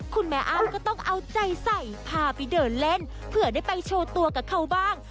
คุณแม่อ้ำก็ต้องเอาใจใส่พาไปเดินเล่นเผื่อได้ไปโชว์ตัวกับเขาบ้าง